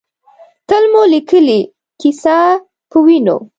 تل مو لیکلې ، کیسه پۀ وینو